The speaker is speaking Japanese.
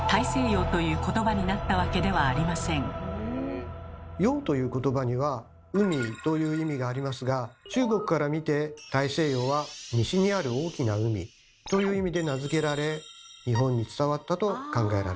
「洋」という言葉には「海」という意味がありますが中国から見て大西洋は「西にある大きな海」という意味で名付けられ日本に伝わったと考えられます。